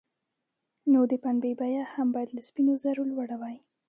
نو د پنبې بیه هم باید له سپینو زرو لوړه وای.